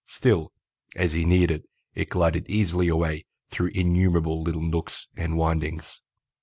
Still, as he neared it, it glided easily away through innumerable little nooks and windings.